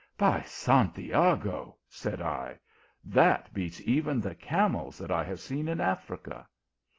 " By Santiago, said I, that beats even the camels that I have seen in Africa.